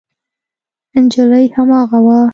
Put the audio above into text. نجلۍ هماغه وه.